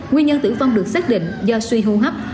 nguyên nhân tử vong được xác định do suy hô hấp